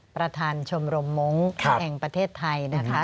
ประธานชมรมมงค์แห่งประเทศไทยนะคะ